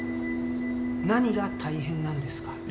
何が大変なんですか？